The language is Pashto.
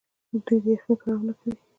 دوی د یخنۍ پروا نه کوي.